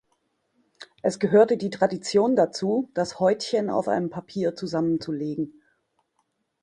Es gehörte die Tradition dazu, das Häutchen auf einem Papier zusammenzulegen.